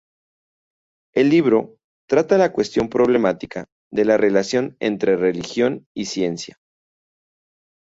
El libro trata la cuestión problemática de la relación entre religión y ciencia.